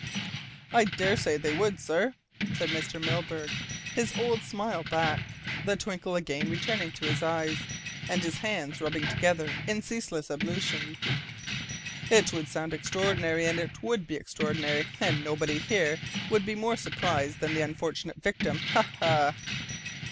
"I daresay they would, sir," said Mr. Milburgh, his old smile back, the twinkle again returning to his eyes, and his hands rubbing together in ceaseless ablutions. "It would sound extraordinary, and it would be extraordinary, and nobody here would be more surprised than the unfortunate victim ha! ha!"